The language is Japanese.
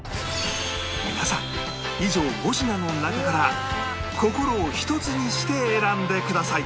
皆さん以上５品の中から心を一つにして選んでください